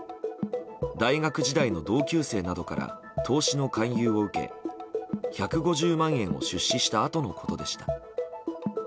大学時代の同級生などから投資の勧誘を受け１５０万円を出資したあとのことでした。